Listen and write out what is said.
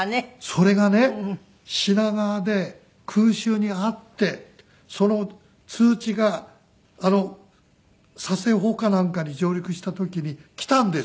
それがね品川で空襲に遭ってその通知が佐世保かなんかに上陸した時に来たんですって。